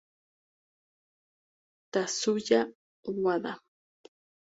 Tatsuya Wada